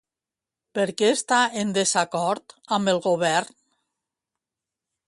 Per què està en desacord amb el Govern?